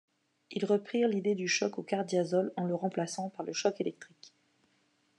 Ils reprirent l'idée du choc au cardiazol en le remplaçant par le choc électrique.